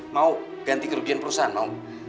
mau ganti kerugian perusahaan mau